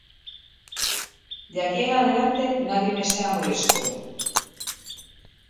De aquí adelante nadie me sea molesto;